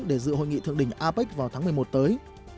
để dự hội nghị thượng đỉnh apec vào tháng một mươi một tới